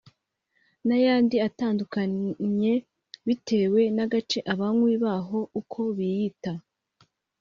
n’ayandi atandukanye bitewe n’agace abanywi baho uko biyita